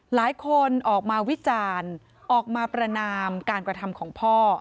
หลายคนออกมาวิจารณ์ออกมาประนามการกระทำของพ่อ